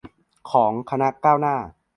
ของคณะก้าวหน้า